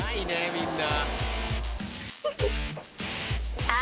みんな。